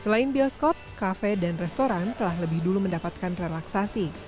selain bioskop kafe dan restoran telah lebih dulu mendapatkan relaksasi